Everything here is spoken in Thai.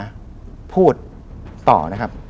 แล้วพูดต่อนะครับ